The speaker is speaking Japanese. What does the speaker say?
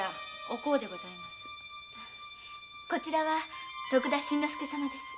こちらは徳田新之助様です。